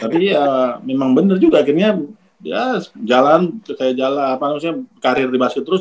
tapi ya memang bener juga akhirnya ya jalan saya jalan apa namanya karir di basket terus